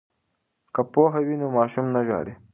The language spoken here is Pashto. که پوهه وي نو ماشوم نه ژاړي.